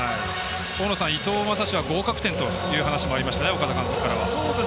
大野さん伊藤将司は合格点という話もありましたね、岡田監督からは。